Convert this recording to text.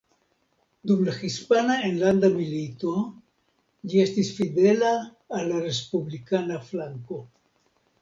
Dum la Hispana Enlanda Milito ĝi estis fidela al la respublikana flanko.